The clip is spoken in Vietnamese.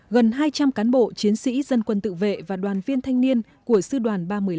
gần hai trăm linh cán bộ chiến sĩ dân quân tự vệ và đoàn viên thanh niên của sư đoàn ba mươi năm